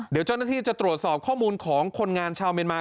เดี๋ยวเจ้าหน้าที่จะตรวจสอบข้อมูลของคนงานชาวเมียนมา